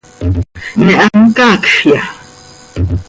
¿Me hant caacjya?